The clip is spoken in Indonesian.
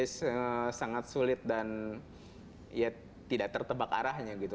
sangat sulit dan ya tidak tertebak arahnya gitu